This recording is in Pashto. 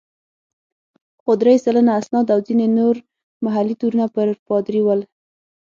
خو درې سلنه اسناد او ځینې نور محلي تورونه پر پادري ول.